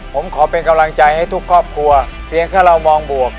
ผมขอเป็นกำลังใจให้ทุกครอบครัวเพียงแค่เรามองบวก